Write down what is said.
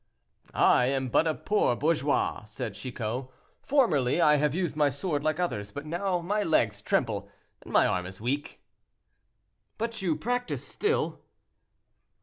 "I am but a poor bourgeois," said Chicot; "formerly I have used my sword like others, but now my legs tremble and my arm is weak." "But you practice still?"